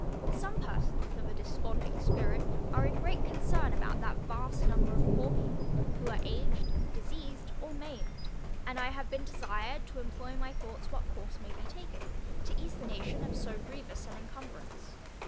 Some persons of a desponding spirit are in great concern about that vast number of poor people, who are aged, diseased, or maimed; and I have been desired to employ my thoughts what course may be taken, to ease the nation of so grievous an incumbrance.